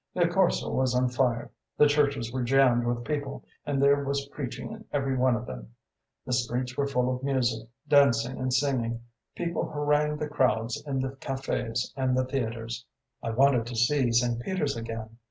The Corso was on fire; the churches were jammed with people, and there was preaching in every one of them. The streets were full of music, dancing, and singing; people harangued the crowds in the cafes and the theatres. "I wanted to see St. Peter's again.